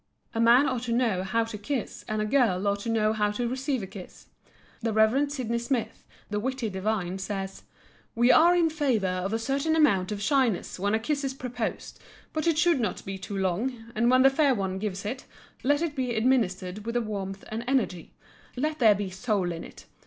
A man ought to know how to kiss and a girl ought to know how to receive a kiss. The Rev. Sidney Smith, the witty divine, says: "we are in favor of a certain amount of shyness when a kiss is proposed, but it should not be too long, and when the fair one gives it, let it be administered with a warmth and energy; let there be soul in it.